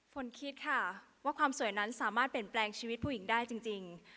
ฝนคิดค่ะว่าความสวยนั้นสามารถเปลี่ยนแปลงชีวิตผู้หญิงได้จริง